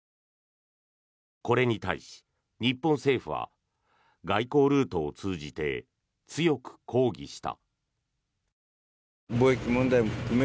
これに対し、日本政府は外交ルートを通じて強く抗議した。